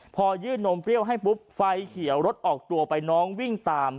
พอยื่นนมเปรี้ยวให้ปุ๊บไฟเขียวรถออกตัวไปน้องวิ่งตาม